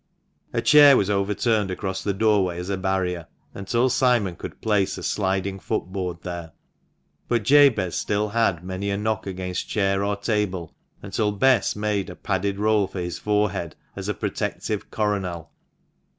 A chair was overturned across the doorway as a barrier, until Simon could place a sliding foot board there. But Jabez had still many a knock against chair or table until Bess made a padded roll for his forehead, as a protective coronal.